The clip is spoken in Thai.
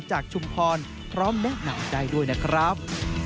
ชุมพรพร้อมแนะนำได้ด้วยนะครับ